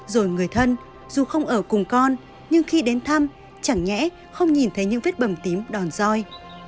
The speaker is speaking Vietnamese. rồi người thân dù không ở cùng con nhưng khi đến thăm chẳng nhẽ không nhìn thấy những vết bầm tím đòn roi